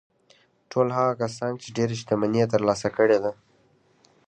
ټول هغه کسان چې ډېره شتمني يې ترلاسه کړې ده.